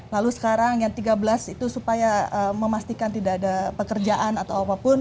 lalu sekarang yang tiga belas itu supaya memastikan tidak ada pekerjaan atau apapun